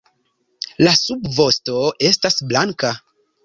La subvosto estas blanka.